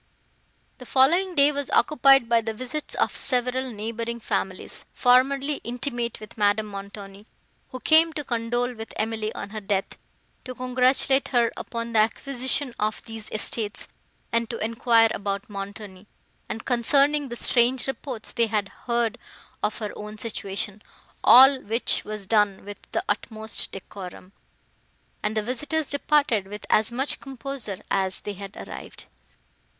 The following day was occupied by the visits of several neighbouring families, formerly intimate with Madame Montoni, who came to condole with Emily on her death, to congratulate her upon the acquisition of these estates, and to enquire about Montoni, and concerning the strange reports they had heard of her own situation; all which was done with the utmost decorum, and the visitors departed with as much composure as they had arrived.